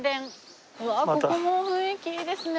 うわここも雰囲気いいですね。